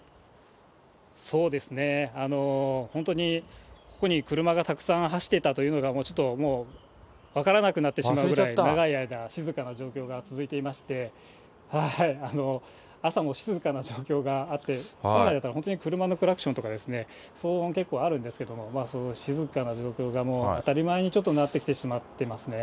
本当に、ここに車がたくさん走っていたというのが、ちょっと分からなくなってしまうぐらい、長い間、静かな状況が続いていまして、朝も静かな状況があって、本来だったら、車のクラクションとか、騒音結構あるんですけども、静かな状況がもう当たり前になってきてしまっていますね。